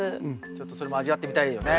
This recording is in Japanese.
ちょっとそれも味わってみたいよね。